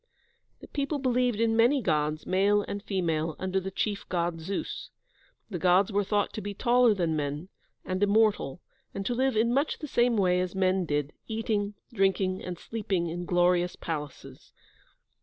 The people believed in many Gods, male and female, under the chief God, Zeus. The Gods were thought to be taller than men, and immortal, and to live in much the same way as men did, eating, drinking, and sleeping in glorious palaces.